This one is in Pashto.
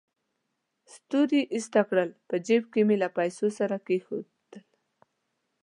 ستوري ایسته کړل، په جېب کې مې له پیسو سره کېښودل.